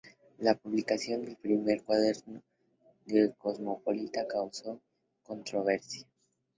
La publicación del primer cuaderno de "El Cosmopolita" causó controversia.